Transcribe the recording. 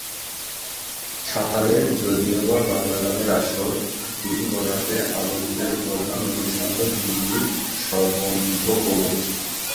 সকালে যদিবাবাংলা গানের আসর, দিন গড়াতে আনন্দের প্রধান অনুষঙ্গ হিন্দির সদম্ভ প্রবেশ।